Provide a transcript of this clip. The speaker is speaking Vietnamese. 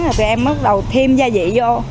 rồi tụi em mới bắt đầu thêm gia vị vô